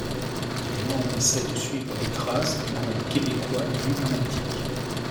Les membres essayent de suivre les traces du groupe québécois Dubmatique.